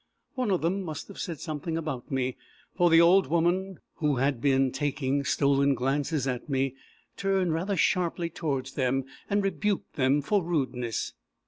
One of them must have said something about me; for the old woman, who had been taking stolen glances at me, turned rather sharply towards them, and rebuked them for rudeness.